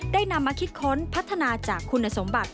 ได้นำมาคิดค้นพัฒนาจากคุณสมบัติ